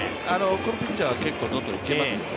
このピッチャーは結構どんどんいけますよね。